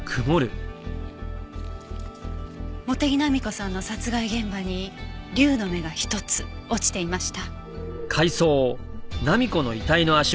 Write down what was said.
茂手木浪子さんの殺害現場に龍の目が１つ落ちていました。